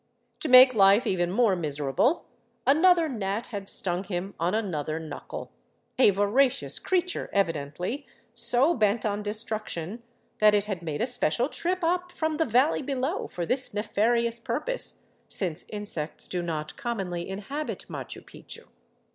To make life even more miserable, another gnat had stung him on an other knuckle, — a voracious creature, evidently, so bent on destruc tion that it had made a special trip up from the valley below for this nefarious purpose, since insects do not commonly inhabit Machu Picchu.